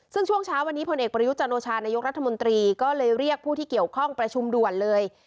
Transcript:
ซึ่งช่วงเช้าวันนี้พลเอกประยุจันโอชานายกรัฐมนตรีก็เลยเรียกผู้ที่เกี่ยวข้องประชุมด่วนเลย